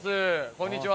こんにちは！